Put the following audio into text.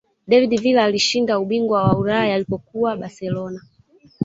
david villa alishinda ubingwa wa ulaya alipokuwa barcelona